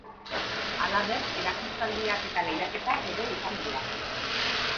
Halaber, erakustaldiak eta lehiaketak ere izan dira.